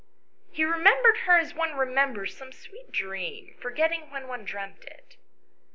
He remembered her as one remembers some sweet dream, forgetting when one dreamt it.